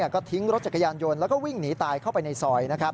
ก็ทิ้งรถจักรยานยนต์แล้วก็วิ่งหนีตายเข้าไปในซอย